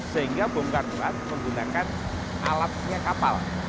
sehingga bongkar muat menggunakan alatnya kapal